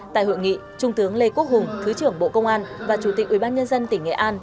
tại hội nghị trung tướng lê quốc hùng thứ trưởng bộ công an và chủ tịch ủy ban nhân dân tỉnh nghệ an